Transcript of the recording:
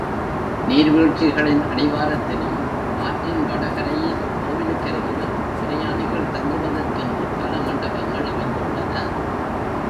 நீர்வீழ்ச்சிகளின் அடிவாரத்திலும் ஆற்றின் வட கரையில் கோவிலுக்கருகிலும், பிரயாணிகள் தங்குவதற் கென்று பல மண்டபங்கள் அமைந்துள்ளன.